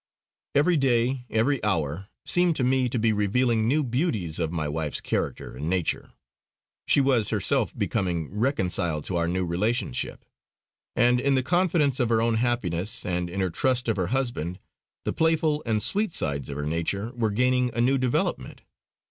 Every day, every hour, seemed to me to be revealing new beauties of my wife's character and nature. She was herself becoming reconciled to our new relationship; and in the confidence of her own happiness, and in her trust of her husband, the playful and sweet sides of her nature were gaining a new development.